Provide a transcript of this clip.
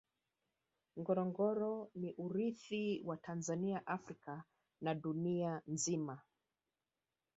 ngorongoro ni urithi wa tanzania africa na dunia nzima